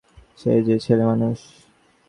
সে যে ছেলেমানুষ।